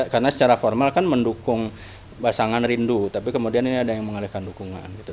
karena secara formal kan mendukung pasangan rindu tapi kemudian ini ada yang mengalihkan dukungan gitu